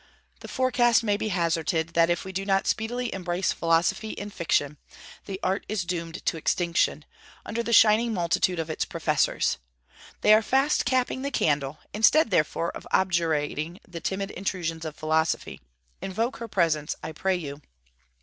The forecast may be hazarded, that if we do not speedily embrace Philosophy in fiction, the Art is doomed to extinction, under the shining multitude of its professors. They are fast capping the candle. Instead, therefore, of objurgating the timid intrusions of Philosophy, invoke her presence, I pray you.